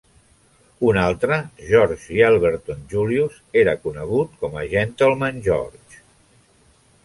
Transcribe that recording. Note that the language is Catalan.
Un altre, George Yelverton Julius, era conegut com a "Gentleman George".